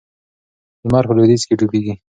لمر په لویدیځ کې ډوبیږي.